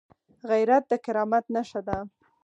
غیرت د کرامت نښه ده